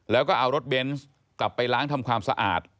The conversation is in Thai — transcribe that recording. แล้วก็เอารถเบนส์กลับไปล้างทำความสะอาด